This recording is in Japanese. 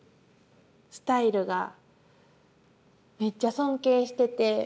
スタイルがめっちゃ尊敬してて。